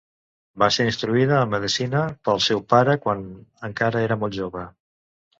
Va ser instruïda en medicina pel seu pare quan encara era molt jove.